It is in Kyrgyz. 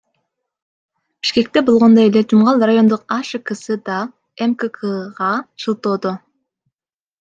Бишкекте болгондой эле Жумгал райондук АШКсы да МККга шылтоодо.